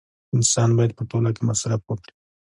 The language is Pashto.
انسان باید په ټوله کې مصرف وکړي